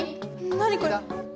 何これ？